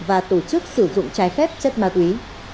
và tổ chức sử dụng trái phép chất ma túy